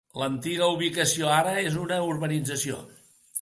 L'antiga ubicació ara és una urbanització.